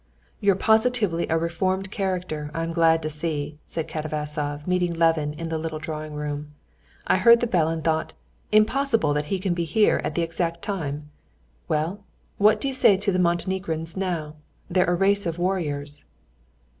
"You're positively a reformed character, I'm glad to see," said Katavasov, meeting Levin in the little drawing room. "I heard the bell and thought: Impossible that it can be he at the exact time!... Well, what do you say to the Montenegrins now? They're a race of warriors."